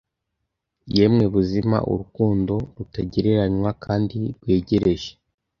Yemwe buzima urukundo rutagereranywa kandi rwegereje,